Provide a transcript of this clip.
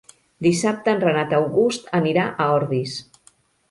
Dissabte en Renat August anirà a Ordis.